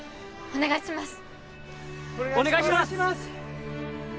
お願いします！